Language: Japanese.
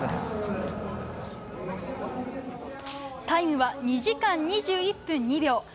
タイムは２時間２１分２秒。